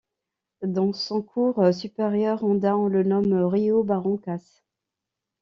Dans son cours supérieur andin, on le nomme Río Barrancas.